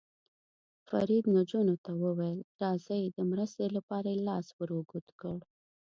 فرید نجونو ته وویل: راځئ، د مرستې لپاره یې لاس ور اوږد کړ.